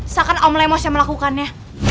seakan om lamos yang melakukannya